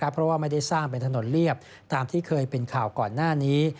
เพราะว่าไม่ได้สร้างเป็นถนนเรียบตามที่เคยเป็นข่าวก่อนหน้านี้